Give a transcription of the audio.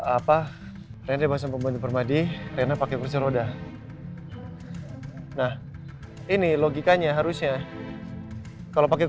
apa apa pembantu permadi rena pakai kursor roda nah ini logikanya harusnya kalau pakai